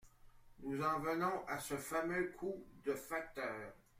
Nous en venons à ces fameux coûts de facteurs.